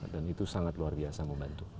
dan itu sangat luar biasa membantu